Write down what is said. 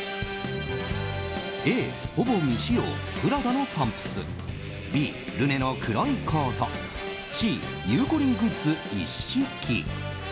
Ａ、ほぼ未使用プラダのパンプスＢ、ルネの黒いコートＣ、ゆうこりんグッズ一式。